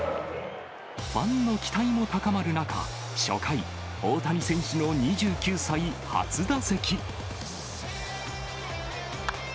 ファンの期待も高まる中、初回、大谷選手の２９歳初打席。